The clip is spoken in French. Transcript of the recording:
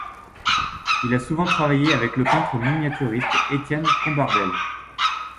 Il a souvent travaillé avec le peintre miniaturiste Étienne Compardel.